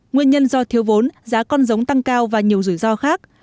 nguyên nhân do thiếu vốn giá con giống tăng cao và nhiều rủi ro khác